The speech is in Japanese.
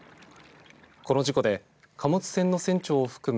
この事故で貨物船の船長を含む